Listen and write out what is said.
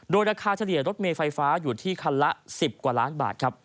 โดยราคาเฉลี่ยรถเมย์ไฟฟ้าอยู่ที่คันละ๑๐กว่าล้านบาทครับ